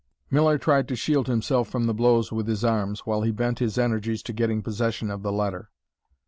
Miller tried to shield himself from the blows with his arms, while he bent his energies to getting possession of the letter.